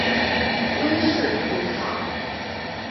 威氏葡萄